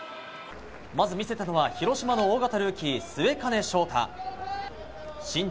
まず見せたのは広島の大型ルーキー、末包昇大。